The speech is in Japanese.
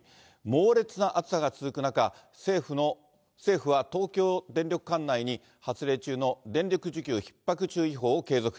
猛烈な暑さが続く中、政府は東京電力管内に発令中の電力需給ひっ迫注意報を継続。